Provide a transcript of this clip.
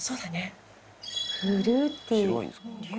フルーティー。